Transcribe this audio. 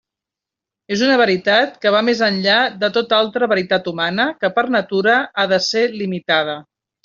És una veritat que va més enllà de tota altra veritat humana, que per natura ha de ser limitada.